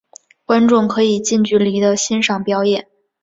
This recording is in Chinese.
观众可以近距离地欣赏表演。